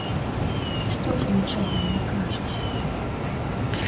Што ж нічога не кажаш?